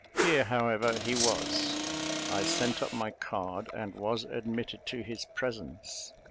Here, however, he was; I sent up my card, and was admitted to his presence.